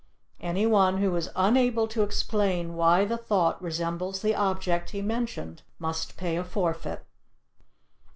Any one who is unable to explain why the thought resembles the object he mentioned must pay a forfeit.